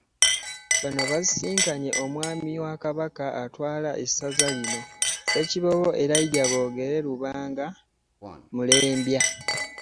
Bano basisinkanye omwami wa Kabaka atwala essaza lino, Ssekiboobo Elijah Bogere Lubanga Mulembya